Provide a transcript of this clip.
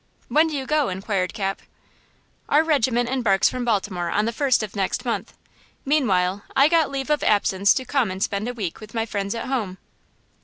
"When do you go?" inquired Cap. "Our regiment embarks from Baltimore on the first of next month. Meanwhile I got leave of absence to come and spend a week with my friends at home!"